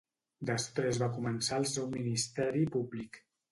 Després va començar el seu ministeri públic.